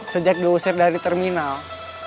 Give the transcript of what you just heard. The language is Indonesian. sejak diusir dari terminal